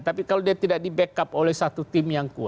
tapi kalau dia tidak di backup oleh satu tim yang kuat